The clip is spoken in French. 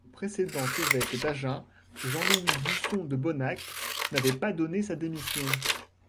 Le précédent évêque d'Agen, Jean-Louis d'Usson de Bonnac, n'avait pas donné sa démission.